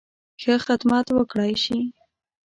ښه خدمت وکړای شي.